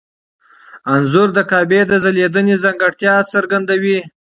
انځور د کعبې د ځلېدنې ځانګړتیا څرګندوي.